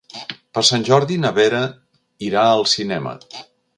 Per Sant Jordi na Vera irà al cinema.